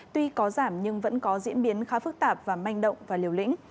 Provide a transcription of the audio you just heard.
tuy có giảm nhưng vẫn có diễn biến khá phức tạp và manh động và liều lĩnh